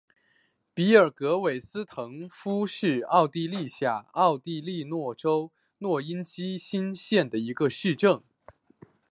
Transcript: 比尔格韦斯滕霍夫是奥地利下奥地利州诺因基兴县的一个市镇。